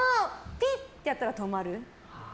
ピッ！ってやったら止まる。